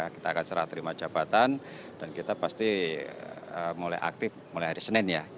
kita akan serah terima jabatan dan kita pasti mulai aktif mulai hari senin ya